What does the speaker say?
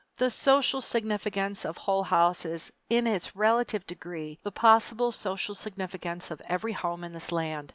The social significance of Hull House is in its relative degree the possible social significance of every home in this land.